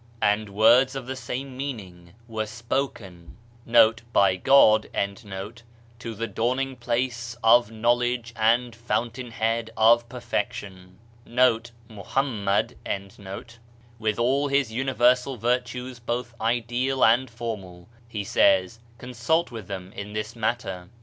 "' And words of the same meaning were spoken' to the Dawning place of Knowledge and Fountain head of perfection ;* with ail his universal virtues both ideal and formal, He says, "Consult with them in this matter."